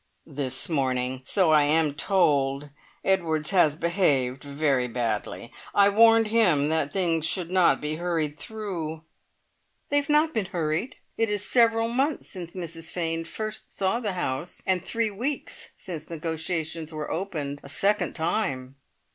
"This morning! So I am told. Edwards has behaved very badly. I warned him that things should not be hurried through." "They have not been hurried. It is several months since Mrs Fane first saw the house, and three weeks since negotiations were opened a second time."